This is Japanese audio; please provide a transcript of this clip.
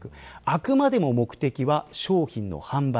あくまでも目的は商品の販売。